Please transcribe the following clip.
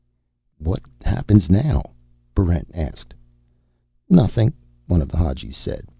"What happens now?" Barrent asked. "Nothing," one of the Hadjis said.